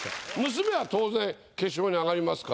娘は当然決勝に上がりますから。